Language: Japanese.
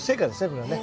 これはね。